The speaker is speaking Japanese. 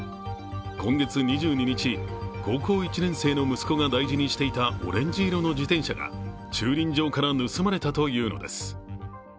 今月２２日、高校１年生の息子が大事にしていたオレンジ色の自転車が駐輪場から盗まれたというのです。